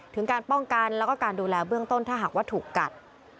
ถึงการป้องกันแล้วก็การดูแลเบื้องต้นถ้าหากว่าถูกกัด